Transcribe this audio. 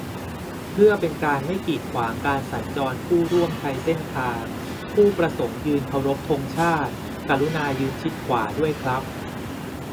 เพื่อเป็นการไม่กีดขวางการสัญจรผู้ร่วมใช้เส้นทาง ผู้ประสงค์ยืนเคารพธงชาติ กรุณายืนชิดขวาด้วยครับ